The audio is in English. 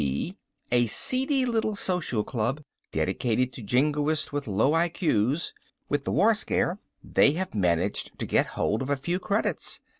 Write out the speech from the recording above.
B. A seedy little social club, dedicated to jingoists with low I.Q.'s. With the war scare they have managed to get hold of a few credits.